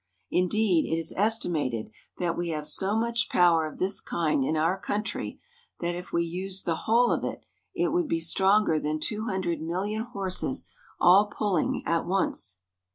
Indeed, it is estimated that we have so much power of this kind in our country that if we used the whole of it, it would be stronger than two hundred million horses all pulling at once.